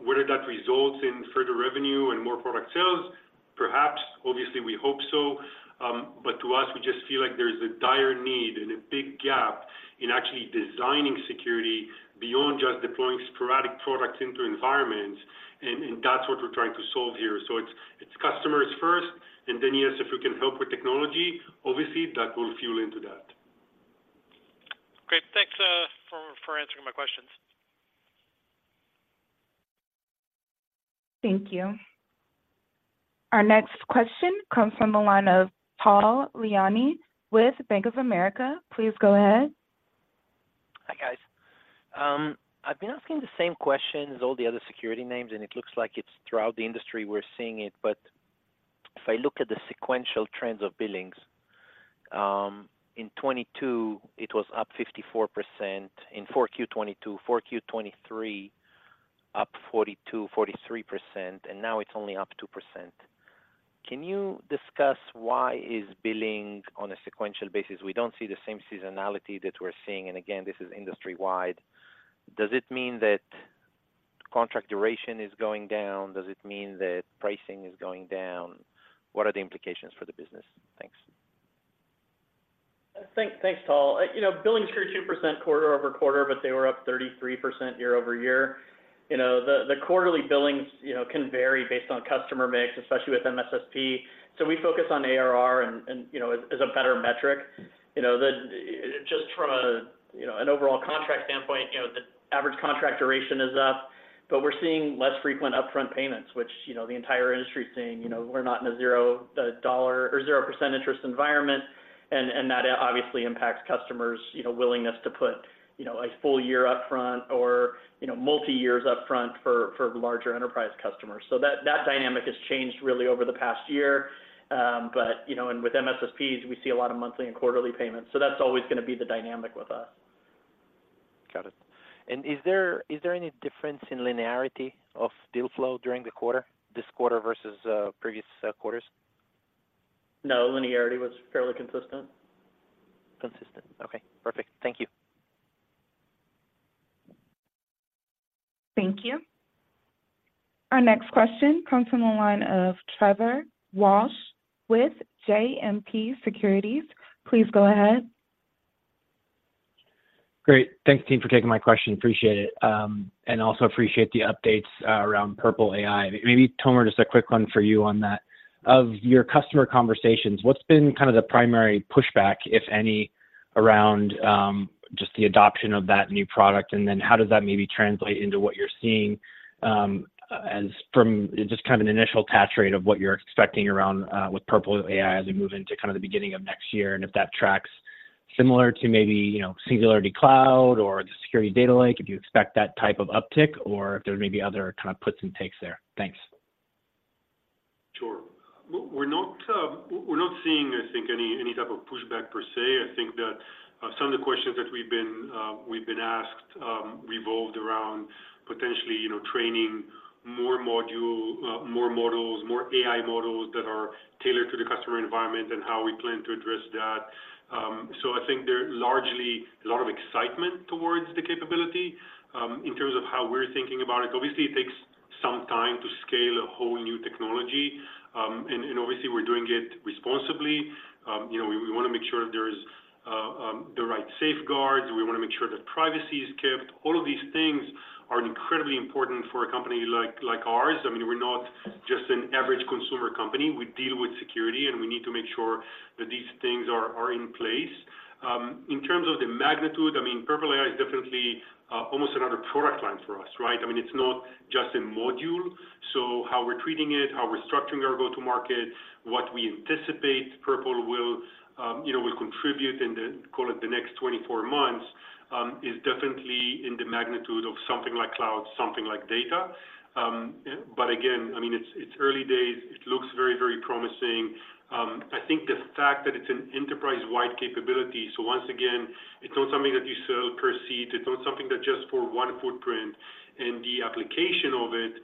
Whether that results in further revenue and more product sales, perhaps. Obviously, we hope so. But to us, we just feel like there's a dire need and a big gap in actually designing security beyond just deploying sporadic products into environments, and that's what we're trying to solve here. So it's customers first, and then, yes, if we can help with technology, obviously, that will fuel into that. Great. Thanks for answering my questions. Thank you. Our next question comes from the line of Tal Liani with Bank of America. Please go ahead. Hi, guys. I've been asking the same question as all the other security names, and it looks like it's throughout the industry, we're seeing it. But if I look at the sequential trends of billings, in 2022, it was up 54%. In Q4 2022, Q4 2023, up 42%-43%, and now it's only up 2%. Can you discuss why is billing on a sequential basis? We don't see the same seasonality that we're seeing, and again, this is industry-wide. Does it mean that contract duration is going down? Does it mean that pricing is going down? What are the implications for the business? Thanks. Thanks, thanks, Tal. You know, billings grew 2% quarter-over-quarter, but they were up 33% year-over-year. You know, the quarterly billings, you know, can vary based on customer mix, especially with MSSP. So we focus on ARR, you know, as a better metric. You know, just from an overall contract standpoint, you know, the average contract duration is up, but we're seeing less frequent upfront payments, which, you know, the entire industry is seeing. You know, we're not in a zero dollar or zero percent interest environment, and that obviously impacts customers', you know, willingness to put, you know, a full year upfront or, you know, multi years upfront for larger enterprise customers. So that dynamic has changed really over the past year. But, you know, and with MSSPs, we see a lot of monthly and quarterly payments, so that's always gonna be the dynamic with us. Got it. Is there any difference in linearity of deal flow during the quarter, this quarter versus previous quarters? No, linearity was fairly consistent. Consistent. Okay, perfect. Thank you. Thank you. Our next question comes from the line of Trevor Walsh with JMP Securities. Please go ahead. Great. Thanks, team, for taking my question. Appreciate it, and also appreciate the updates around Purple AI. Maybe, Tomer, just a quick one for you on that. Of your customer conversations, what's been kind of the primary pushback, if any, around just the adoption of that new product? And then how does that maybe translate into what you're seeing as from just kind of an initial catch rate of what you're expecting around with Purple AI as we move into kind of the beginning of next year, and if that tracks similar to maybe, you know, Singularity Cloud or the Singularity Data Lake, if you expect that type of uptick, or if there may be other kind of puts and takes there? Thanks. Sure. We're not seeing, I think, any type of pushback per se. I think that some of the questions that we've been asked revolved around potentially, you know, training more module, more models, more AI models that are tailored to the customer environment and how we plan to address that. So I think there are largely a lot of excitement towards the capability. In terms of how we're thinking about it, obviously, it takes some time to scale a whole new technology. And obviously, we're doing it responsibly. You know, we wanna make sure there is the right safeguards. We wanna make sure that privacy is kept. All of these things are incredibly important for a company like ours. I mean, we're not just an average consumer company. We deal with security, and we need to make sure that these things are in place. In terms of the magnitude, I mean, Purple AI is definitely almost another product line for us, right? I mean, it's not just a module. So how we're treating it, how we're structuring our go-to-market, what we anticipate Purple will, you know, contribute in the, call it the next 24 months, is definitely in the magnitude of something like cloud, something like data. But again, I mean, it's early days. It looks very, very promising. I think the fact that it's an enterprise-wide capability, so once again, it's not something that you sell per seat. It's not something that just for one footprint, and the application of it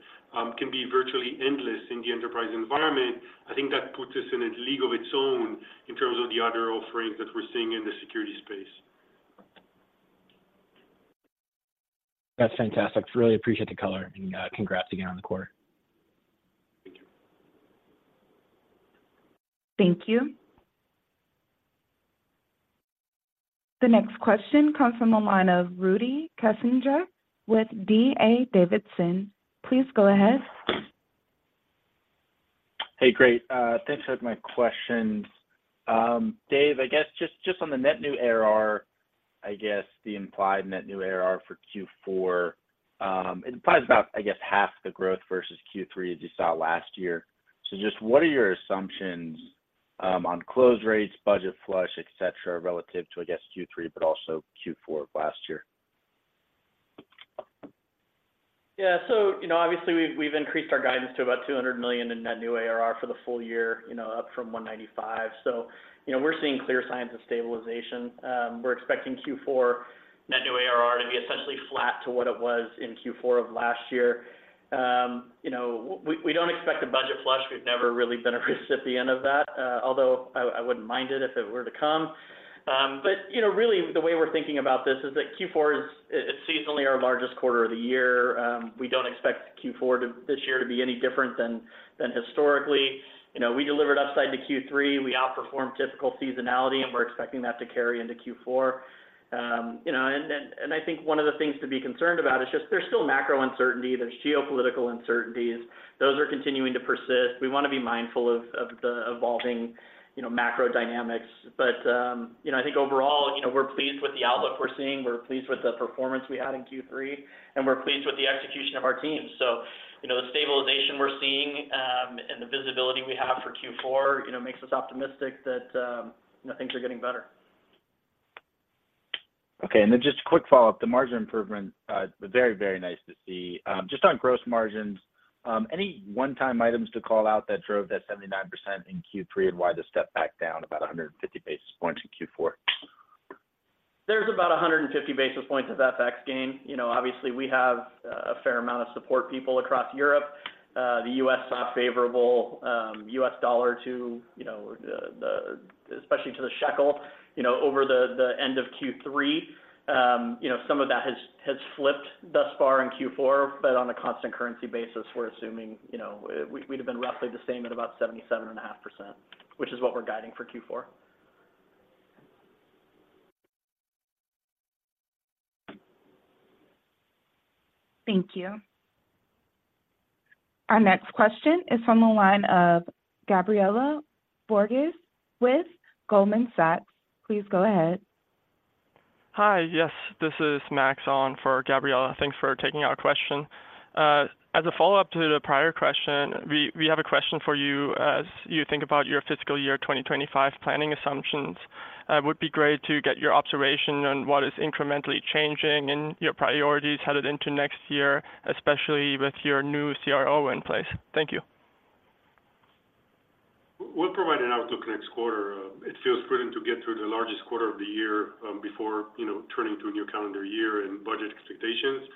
can be virtually endless in the enterprise environment. I think that puts us in a league of its own in terms of the other offerings that we're seeing in the security space. That's fantastic. Really appreciate the color, and congrats again on the quarter. Thank you. Thank you. The next question comes from the line of Rudy Kessinger with D.A. Davidson. Please go ahead. Hey, great. Thanks for taking my questions. Dave, I guess just, just on the net new ARR, I guess the implied net new ARR for Q4, it implies about, I guess, half the growth versus Q3 as you saw last year. So just what are your assumptions, on close rates, budget flush, et cetera, relative to, I guess, Q3, but also Q4 of last year? Yeah. So, you know, obviously, we've increased our guidance to about $200 million in Net New ARR for the full year, you know, up from $195 million. So, you know, we're seeing clear signs of stabilization. We're expecting Q4 Net New ARR to be essentially flat to what it was in Q4 of last year. You know, we don't expect a budget flush. We've never really been a recipient of that, although I wouldn't mind it if it were to come. But, you know, really the way we're thinking about this is that Q4 is, it's seasonally our largest quarter of the year. We don't expect Q4 this year to be any different than historically. You know, we delivered upside to Q3. We outperformed typical seasonality, and we're expecting that to carry into Q4. You know, and then I think one of the things to be concerned about is just there's still macro uncertainty, there's geopolitical uncertainties. Those are continuing to persist. We wanna be mindful of the evolving, you know, macro dynamics. But you know, I think overall, you know, we're pleased with the outlook we're seeing, we're pleased with the performance we had in Q3, and we're pleased with the execution of our team. So you know, the stabilization we're seeing and the visibility we have for Q4, you know, makes us optimistic that you know, things are getting better. Okay. And then just a quick follow-up, the margin improvement, very, very nice to see. Just on gross margins, any one-time items to call out that drove that 79% in Q3, and why the step back down about 150 basis points in Q4? There's about 150 basis points of FX gain. You know, obviously, we have a fair amount of support people across Europe. The US saw favorable US dollar to, you know, especially to the shekel, you know, over the end of Q3. You know, some of that has flipped thus far in Q4, but on a constant currency basis, we're assuming, you know, we, we'd have been roughly the same at about 77.5%, which is what we're guiding for Q4. Thank you. Our next question is from the line of Gabriela Borges with Goldman Sachs. Please go ahead. Hi. Yes, this is Max on for Gabriela. Thanks for taking our question. As a follow-up to the prior question, we have a question for you. As you think about your fiscal year 2025 planning assumptions, it would be great to get your observation on what is incrementally changing and your priorities headed into next year, especially with your new CRO in place. Thank you. We'll provide an outlook next quarter. It feels prudent to get through the largest quarter of the year, before, you know, turning to a new calendar year and budget expectations.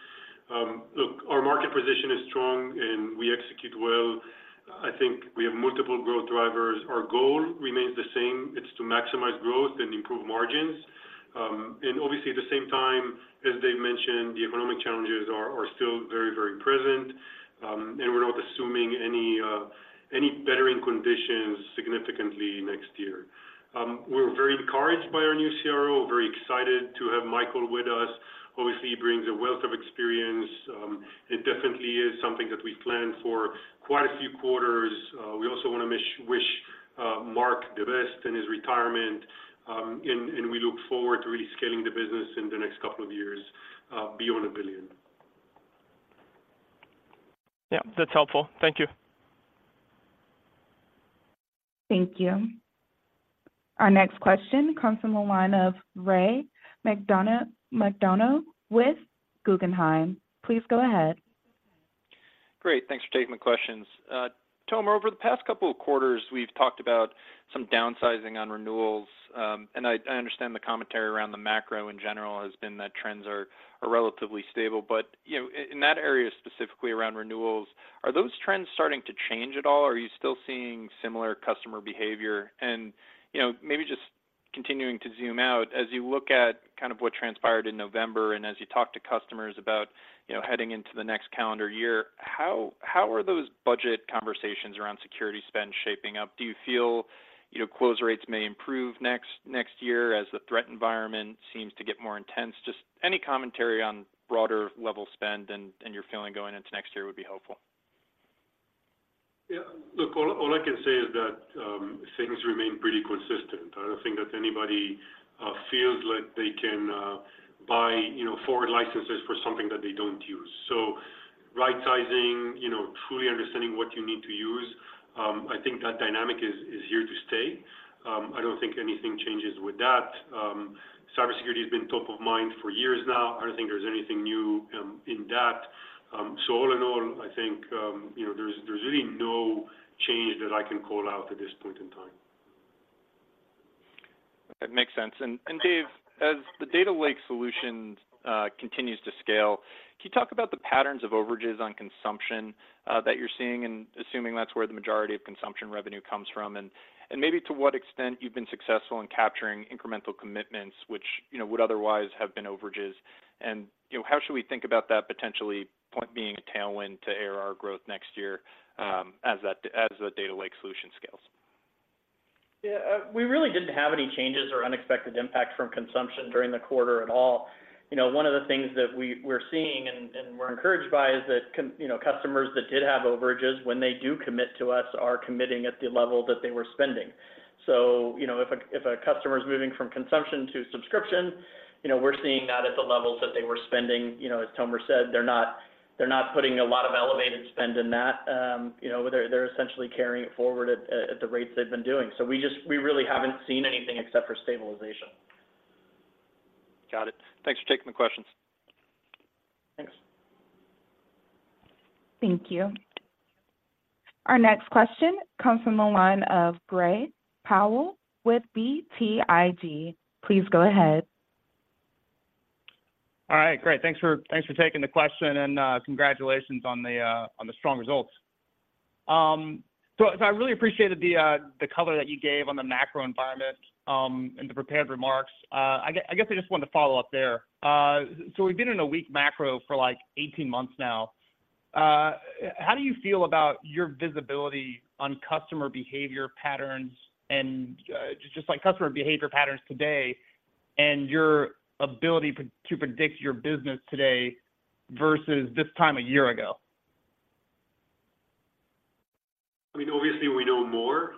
Look, our market position is strong and we execute well. I think we have multiple growth drivers. Our goal remains the same: it's to maximize growth and improve margins. And obviously, at the same time, as Dave mentioned, the economic challenges are still very, very present, and we're not assuming any bettering conditions significantly next year. We're very encouraged by our new CRO, very excited to have Michael with us. Obviously, he brings a wealth of experience, it definitely is something that we planned for quite a few quarters. We also wanna wish Mark the best in his retirement, and we look forward to really scaling the business in the next couple of years beyond $1 billion. Yeah, that's helpful. Thank you. Thank you. Our next question comes from the line of Ray McDonough with Guggenheim. Please go ahead. Great. Thanks for taking my questions. Tomer, over the past couple of quarters, we've talked about some downsizing on renewals, and I understand the commentary around the macro in general has been that trends are relatively stable. But, you know, in that area, specifically around renewals, are those trends starting to change at all, or are you still seeing similar customer behavior? And, you know, maybe just continuing to zoom out, as you look at kind of what transpired in November, and as you talk to customers about, you know, heading into the next calendar year, how are those budget conversations around security spend shaping up? Do you feel, you know, close rates may improve next year as the threat environment seems to get more intense? Just any commentary on broader level spend and your feeling going into next year would be helpful. Yeah, look, all I can say is that things remain pretty consistent. I don't think that anybody feels like they can buy, you know, forward licenses for something that they don't use. So right-sizing, you know, truly understanding what you need to use, I think that dynamic is here to stay. I don't think anything changes with that. Cybersecurity has been top of mind for years now. I don't think there's anything new in that. So all in all, I think, you know, there's really no change that I can call out at this point in time. That makes sense. And Dave, as the Data Lake solution continues to scale, can you talk about the patterns of overages on consumption that you're seeing, and assuming that's where the majority of consumption revenue comes from? And maybe to what extent you've been successful in capturing incremental commitments, which, you know, would otherwise have been overages. And you know, how should we think about that potentially point being a tailwind to ARR growth next year, as the Data Lake solution scales? Yeah, we really didn't have any changes or unexpected impacts from consumption during the quarter at all. You know, one of the things that we're seeing and we're encouraged by is that you know, customers that did have overages, when they do commit to us, are committing at the level that they were spending. So, you know, if a customer is moving from consumption to subscription, you know, we're seeing that at the levels that they were spending. You know, as Tomer said, they're not putting a lot of elevated spend in that. You know, they're essentially carrying it forward at the rates they've been doing. So we really haven't seen anything except for stabilization. Got it. Thanks for taking the questions. Thanks. Thank you. Our next question comes from the line of Gray Powell with BTIG. Please go ahead. All right, great. Thanks for, thanks for taking the question, and congratulations on the strong results. So I really appreciated the cover that you gave on the macro environment in the prepared remarks. I guess I just wanted to follow up there. So we've been in a weak macro for, like, 18 months now. How do you feel about your visibility on customer behavior patterns and just like customer behavior patterns today, and your ability to predict your business today versus this time a year ago? I mean, obviously we know more,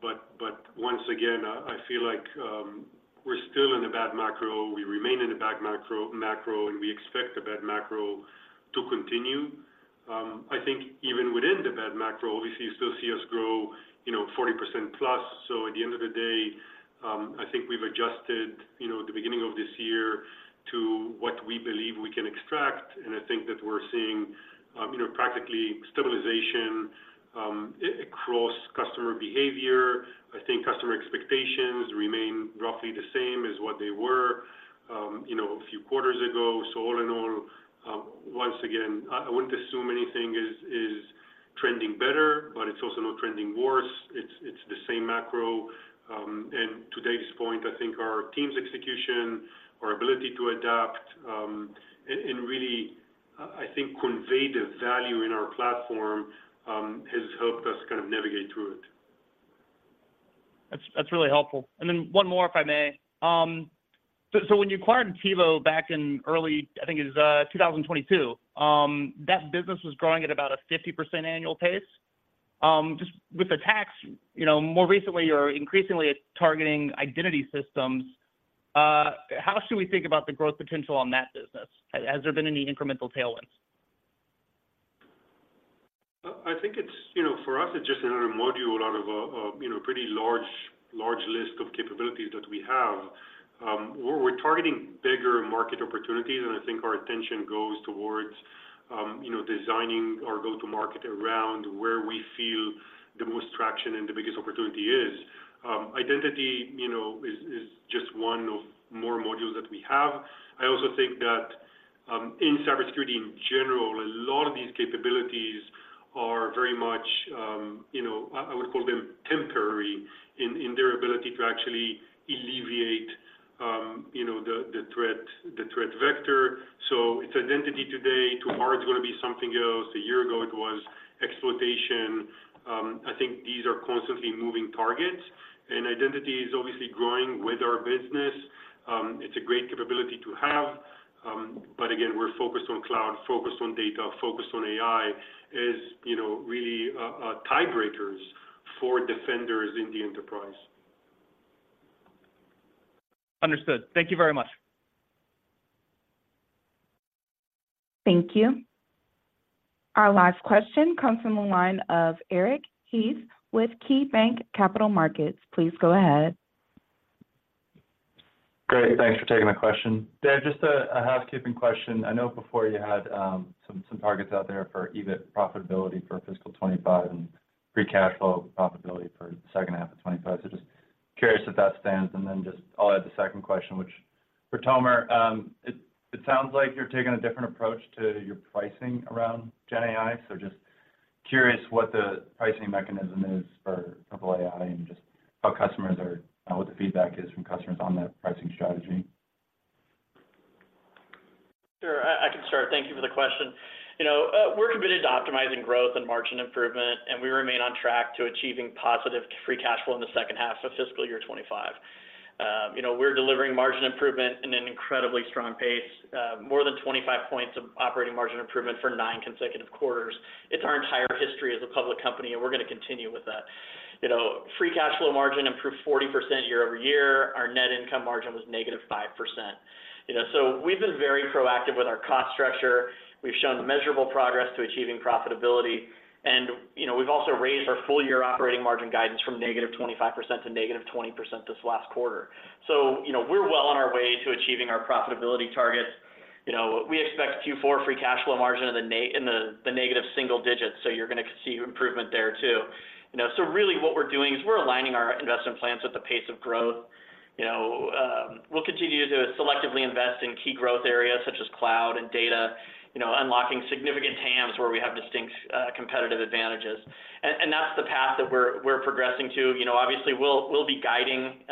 but once again, I feel like we're still in a bad macro. We remain in a bad macro, and we expect the bad macro to continue. I think even within the bad macro, obviously, you still see us grow, you know, 40%+. So at the end of the day, I think we've adjusted, you know, the beginning of this year to what we believe we can extract. And I think that we're seeing, you know, practically stabilization across customer behavior. I think customer expectations remain roughly the same as what they were, you know, a few quarters ago. So all in all, once again, I wouldn't assume anything is trending better, but it's also not trending worse. It's the same macro. And to Dave's point, I think our team's execution, our ability to adapt, and really, I think, convey the value in our platform has helped us kind of navigate through it. That's really helpful. And then one more, if I may. So when you acquired Attivo back in early, I think it was 2022, that business was growing at about a 50% annual pace. Just with that, you know, more recently, you're increasingly targeting identity systems. How should we think about the growth potential on that business? Has there been any incremental tailwinds? I think it's, you know, for us, it's just another module out of a, you know, pretty large list of capabilities that we have. We're targeting bigger market opportunities, and I think our attention goes towards, you know, designing our go-to-market around where we feel the most traction and the biggest opportunity is. Identity, you know, is just one of more modules that we have. I also think that, in cybersecurity in general, a lot of these capabilities are very much, you know, I would call them temporary in their ability to actually alleviate, you know, the threat, the threat vector. So it's identity today, tomorrow, it's gonna be something else. A year ago, it was exploitation. I think these are constantly moving targets, and identity is obviously growing with our business. It's a great capability to have, but again, we're focused on cloud, focused on data, focused on AI, is, you know, really tiebreakers for defenders in the enterprise. Understood. Thank you very much. Thank you. Our last question comes from the line of Eric Heath with KeyBanc Capital Markets. Please go ahead. Great. Thanks for taking my question. Dave, just a housekeeping question. I know before you had some targets out there for EBIT profitability for fiscal 2025 and free cash flow profitability for the second half of 2025. So just curious where that stands, and then just I'll add the second question, which for Tomer, it sounds like you're taking a different approach to your pricing around GenAI. So just curious what the pricing mechanism is for Purple AI and just how customers are, what the feedback is from customers on that pricing strategy. Sure, I, I can start. Thank you for the question. You know, we're committed to optimizing growth and margin improvement, and we remain on track to achieving positive free cash flow in the second half of fiscal year 2025. You know, we're delivering margin improvement in an incredibly strong pace, more than 25 points of operating margin improvement for 9 consecutive quarters. It's our entire history as a public company, and we're gonna continue with that. You know, free cash flow margin improved 40% year-over-year. Our net income margin was -5%. You know, so we've been very proactive with our cost structure. We've shown measurable progress to achieving profitability, and, you know, we've also raised our full-year operating margin guidance from -25% to -20% this last quarter. So, you know, we're well on our way to achieving our profitability targets. You know, we expect Q4 free cash flow margin in the negative single digits, so you're gonna see improvement there, too. You know, so really what we're doing is we're aligning our investment plans with the pace of growth. You know, we'll continue to selectively invest in key growth areas such as cloud and data, you know, unlocking significant TAMs where we have distinct competitive advantages. And that's the path that we're progressing to. You know, obviously, we'll be guiding,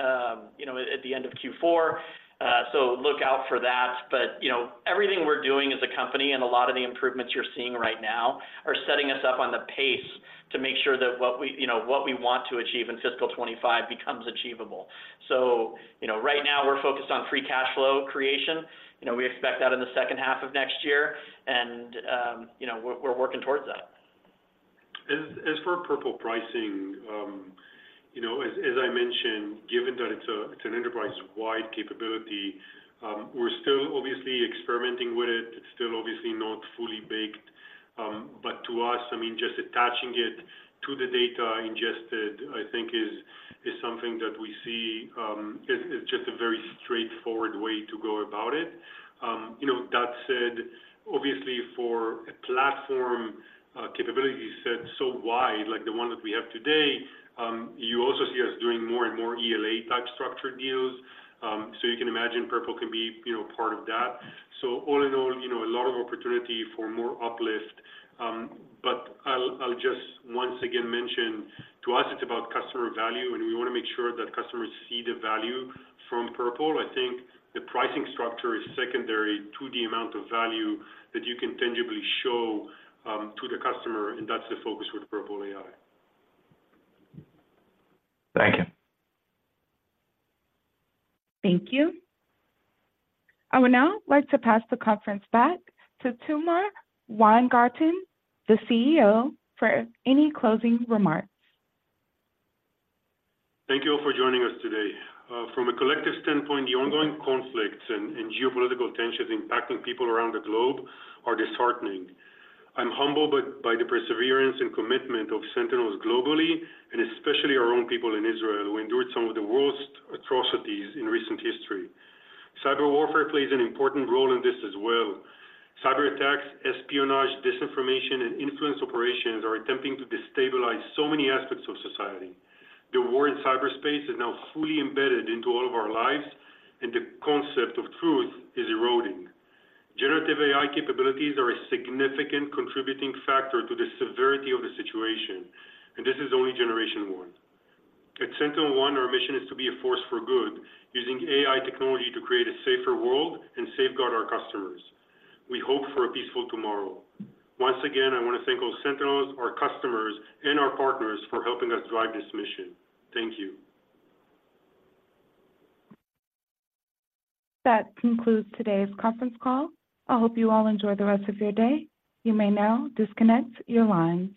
you know, at the end of Q4, so look out for that. But, you know, everything we're doing as a company and a lot of the improvements you're seeing right now are setting us up on the pace to make sure that what we, you know, what we want to achieve in fiscal 25 becomes achievable. So, you know, right now, we're focused on free cash flow creation. You know, we expect that in the second half of next year, and, you know, we're working towards that. As for Purple pricing, you know, as I mentioned, given that it's an enterprise-wide capability, we're still obviously experimenting with it. It's still obviously not fully baked, but to us, I mean, just attaching it to the data ingested, I think is just a very straightforward way to go about it. You know, that said, obviously, for a platform, capability set so wide, like the one that we have today, you also see us doing more and more ELA-type structured deals. So you can imagine Purple can be, you know, part of that. So all in all, you know, a lot of opportunity for more uplift. But I'll just once again mention, to us, it's about customer value, and we want to make sure that customers see the value from Purple. I think the pricing structure is secondary to the amount of value that you can tangibly show to the customer, and that's the focus with Purple AI. Thank you. Thank you. I would now like to pass the conference back to Tomer Weingarten, the CEO, for any closing remarks. Thank you all for joining us today. From a collective standpoint, the ongoing conflicts and geopolitical tensions impacting people around the globe are disheartening. I'm humbled by the perseverance and commitment of Sentinels globally, and especially our own people in Israel, who endured some of the worst atrocities in recent history. Cyber warfare plays an important role in this as well. Cyberattacks, espionage, disinformation, and influence operations are attempting to destabilize so many aspects of society. The war in cyberspace is now fully embedded into all of our lives, and the concept of truth is eroding. Generative AI capabilities are a significant contributing factor to the severity of the situation, and this is only generation one. At SentinelOne, our mission is to be a force for good, using AI technology to create a safer world and safeguard our customers. We hope for a peaceful tomorrow. Once again, I want to thank all Sentinels, our customers, and our partners for helping us drive this mission. Thank you. That concludes today's conference call. I hope you all enjoy the rest of your day. You may now disconnect your line.